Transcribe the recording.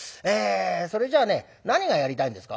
それじゃね何がやりたいんですか？」。